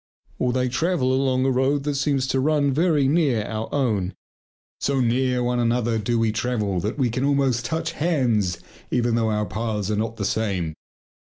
Or they travel along a road that seems to run very near our own. So near one another do we travel that we can almost touch hands even though our paths are not the same.